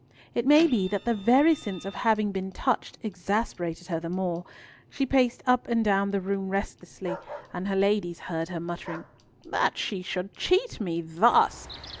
It may be that the very sense of having been touched exasperated her the more. She paced up and down the room restlessly, and her ladies heard her muttering—"That she should cheat me thus!